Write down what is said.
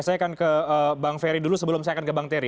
saya akan ke bang ferry dulu sebelum saya akan ke bang terry